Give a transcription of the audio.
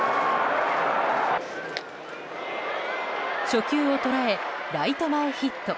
初球を捉え、ライト前ヒット。